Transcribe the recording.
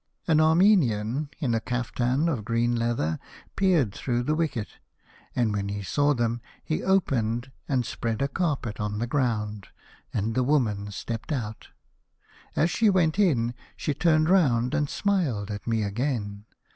An Armenian in a caftan of green leather peered through the wicket, and when he saw them he opened, and spread a carpet on the ground, and the woman stepped out. As she went in, she turned round and smiled at me again.